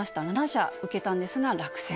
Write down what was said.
７社受けたんですが落選。